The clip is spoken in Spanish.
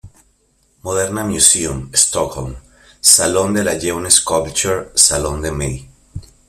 Moderna Museum, Stockholm; Salon de la Jeune Sculpture; Salon de Mai.